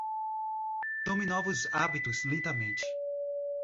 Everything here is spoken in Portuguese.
Tome novos hábitos lentamente.